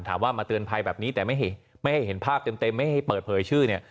มาเตือนภัยแบบนี้แต่ไม่ให้เห็นภาพเต็มไม่ให้เปิดเผยชื่อเนี่ย